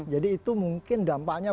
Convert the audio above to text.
jadi itu mungkin dampaknya